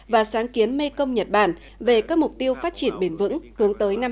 và sáng kiến mekong nhật bản về các mục tiêu phát triển bền vững hướng tới năm hai nghìn ba mươi